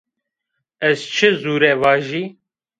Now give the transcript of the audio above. Ez çi zûre vajî?